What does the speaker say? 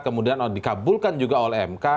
kemudian dikabulkan juga oleh mk